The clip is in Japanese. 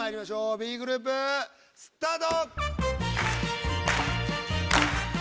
Ｂグループスタート！